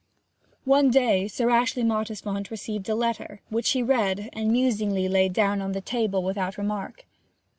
One day Sir Ashley Mottisfont received a letter, which he read, and musingly laid down on the table without remark.